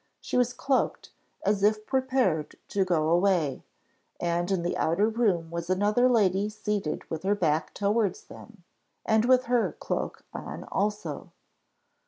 She was cloaked, as if prepared to go away; and in the outer room was another lady seated with her back towards them, and with her cloak on also.